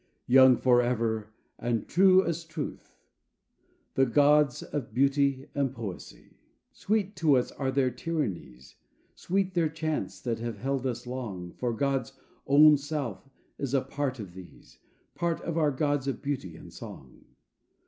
Young forever and true as truth The gods of Beauty and Poesy. Sweet to us are their tyrannies, Sweet their chains that have held us long, For God's own self is a part of these, Part of our gods of Beauty and Song.